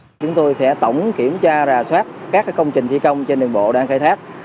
cơ quan chức năng cũng đã rà soát các công trình thi công trên đường bộ đang khai thác